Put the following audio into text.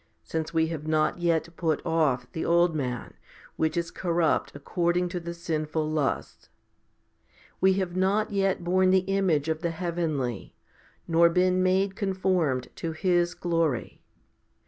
since we have not yet put off the old man which is corrupt according to the sinful lusts. 8 We have not yet borne the image of the heavenly? nor been made conformed to His glory.